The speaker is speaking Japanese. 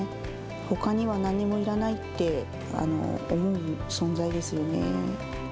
ほかには何もいらないって思う存在ですよね。